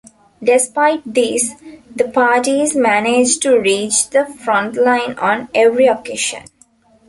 Despite this, the parties managed to reach the frontline on every occasion.